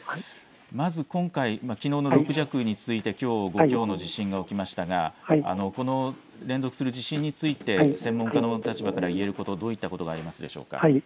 まず今回、きのうの６弱に続いてきょう５強の地震が起きましたがこの連続する地震について専門家の立場から言えること、どういったことがありますでしょうか。